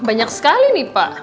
banyak sekali nih pak